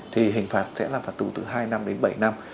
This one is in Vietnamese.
thì hình phạt sẽ là phạt tù từ hai năm đến bảy năm